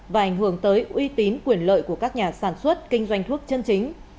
và ảnh hưởng tới uy tín quyền lợi của các nhà sản xuất kinh doanh thuốc chân chính